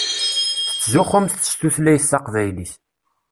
Tettzuxxumt s tutlayt taqbaylit.